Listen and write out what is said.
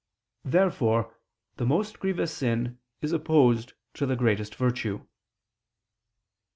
Therefore the most grievous sin is opposed to the greatest virtue.